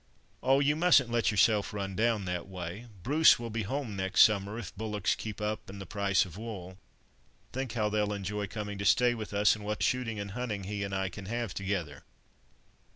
"Oh! you mustn't let yourself run down, that way. Bruce will be home next summer, if bullocks keep up and the price of wool. Think how they'll enjoy coming to stay with us, and what shooting and hunting he and I can have together.